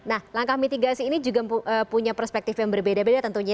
nah langkah mitigasi ini juga punya perspektif yang berbeda beda tentunya